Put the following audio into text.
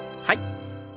はい。